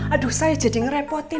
aduh saya jadi ngerepotin